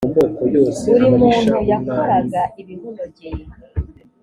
buri muntu yakoraga ibimunogeye